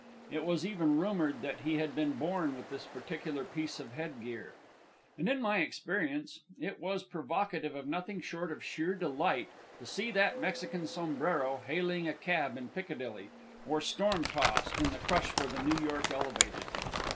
It was even rumoured that he had been born with this particular piece of headgear. And in my experience it was provocative of nothing short of sheer delight to see that Mexican sombrero hailing a cab in Piccadilly or storm tossed in the crush for the New York Elevated.